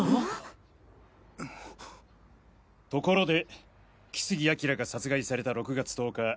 ところで木杉彬が殺害された６月１０日